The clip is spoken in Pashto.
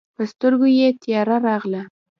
پر سترګو یې تياره راغله.